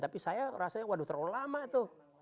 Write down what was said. tapi saya rasanya waduh terlalu lama tuh